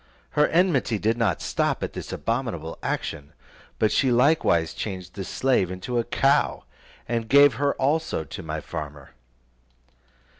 Her enmity did not stop at this abominable action, but she likewise changed the slave into a cow, and gave her also to my farmer.